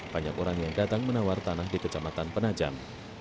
banyak orang yang datang menawar tanah di kecamatan penajam